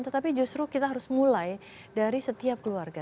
tetapi justru kita harus mulai dari setiap keluarga